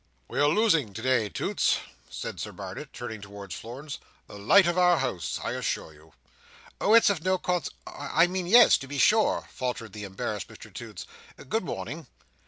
"We are losing, today, Toots," said Sir Barnet, turning towards Florence, "the light of our house, I assure you" "Oh, it's of no conseq—I mean yes, to be sure," faltered the embarrassed Mr Toots. "Good morning!"